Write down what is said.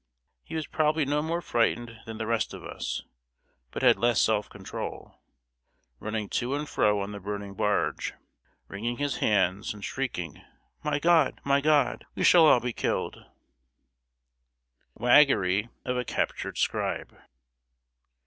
He was probably no more frightened than the rest of us, but had less self control, running to and fro on the burning barge, wringing his hands, and shrieking: "My God! my God! We shall all be killed!" [Sidenote: WAGGERY OF A CAPTURED SCRIBE.